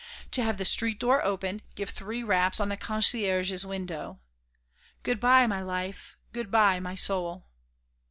To have the street door opened, give three raps on the concierge's window. Good bye, my life, good bye, my soul!"